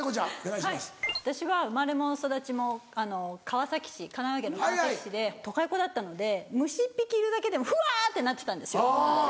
はい私は生まれも育ちも川崎市神奈川県の川崎市で都会っ子だったので虫１匹いるだけでもフワってなってたんですよ。